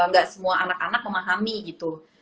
gak semua anak anak memahami gitu